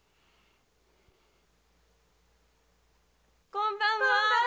・こんばんは。